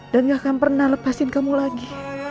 dan gak akan pernah lepasin kamu lagi